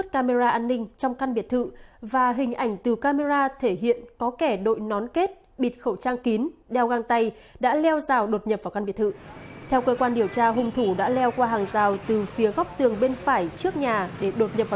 các bạn hãy đăng ký kênh để ủng hộ kênh của chúng mình nhé